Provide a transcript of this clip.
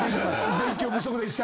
勉強不足でした。